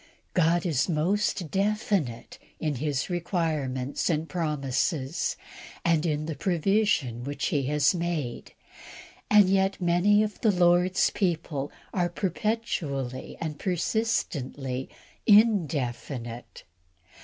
God is most definite in His requirements and promises, and in the provision which He has made; and yet many of the Lord's people are perpetually and persistently indefinite.